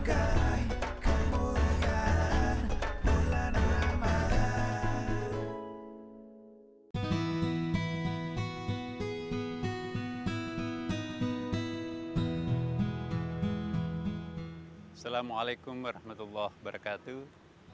assalamualaikum warahmatullahi wabarakatuh